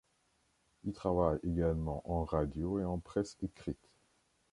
Il travaille également en radio et en presse écrite.